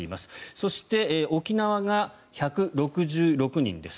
そして、沖縄が１６６人です。